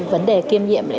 vấn đề kiêm nghiệm